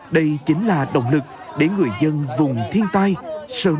đây chính là động lực để người dân vùng thiên tai sớm ổn định cuộc sống